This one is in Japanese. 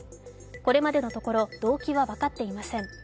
これまでのところ動機は分かっていません。